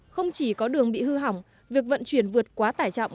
không chỉ có đường bị hư hỏng việc vận chuyển vượt quá tải trọng